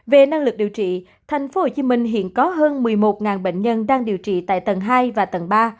về năng lực điều trị tp hcm hiện có hơn một mươi một bệnh nhân đang điều trị tại tầng hai và tầng ba